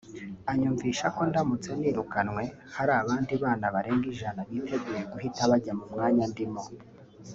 anyumvisha ko ndamutse nirukanwe hari abandi bana barenga ijana biteguye guhita bajya mu mwanya ndimo